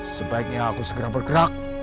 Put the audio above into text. sebaiknya aku segera bergerak